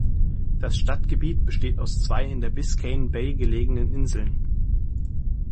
Das Stadtgebiet besteht aus zwei in der Biscayne Bay gelegenen Inseln.